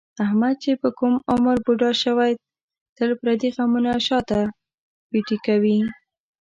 احمد چې په کوم عمر بوډا شوی، تل پردي غمونه شاته پېټی کوي.